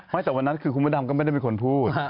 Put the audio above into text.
ไม่เมื่อนั้นคือคุณมตดามก็ไม่ได้เป็นคนพูด